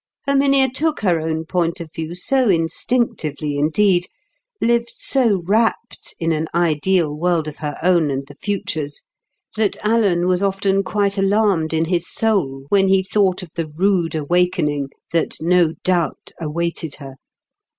Herminia took her own point of view so instinctively indeed—lived so wrapped in an ideal world of her own and the future's—that Alan was often quite alarmed in his soul when he thought of the rude awakening that no doubt awaited her.